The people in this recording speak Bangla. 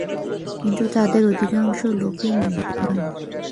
কিন্তু তাদের অধিকাংশ লোকই মুমিন নয়।